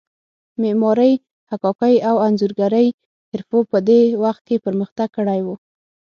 معمارۍ، حکاکۍ او انځورګرۍ حرفو په دې وخت کې پرمختګ کړی و.